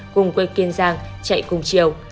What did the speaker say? cùng quê kiên giang chạy cùng chiều